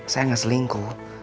saya gak selingkuh